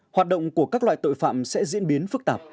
hoạt động của các loại tội phạm sẽ diễn biến phức tạp